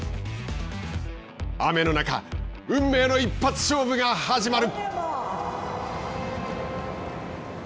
雨の中、運命の一発勝負が始まる。